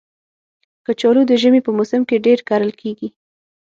کچالو د ژمي په موسم کې ډېر کرل کېږي